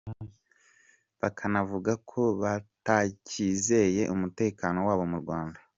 Bakanavuga ko batacyizeye umutekano wabo mu Rwanda.